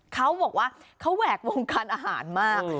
เขาบอกว่าเขาแหวกวงการอาหารมาก